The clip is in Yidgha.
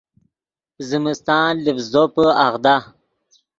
زمستان لڤز زوپے اغدا